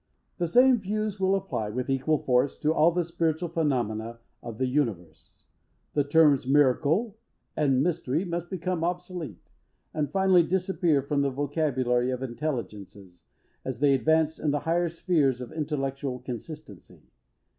The same views will apply, with equal force, to all the spiritual phenomena of the universe. The terms miracle and mystery must become obsolete, and finally disappear from the vocabulary of intelligences, as they advance in the higher spheres of intellectual consistency.